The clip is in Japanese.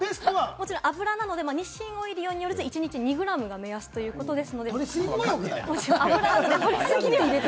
油なので日清オイリオによると、一日２グラムが目安ということです。